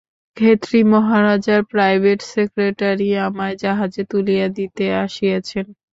খেতড়ি মহারাজার private secretary আমায় জাহাজে তুলিয়া দিতে আসিয়াছেন।